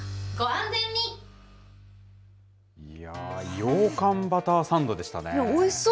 ようかんバターサンドでしたね。